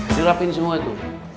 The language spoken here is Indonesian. dirapiin semua itu